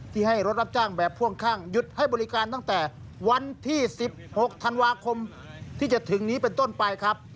ให้รถรับจ้างแบบพ่วงข้างหยุดให้บริการตั้งแต่วันที่๑๖ธันวาคมที่จะถึงนี้เป็นต้นไปครับ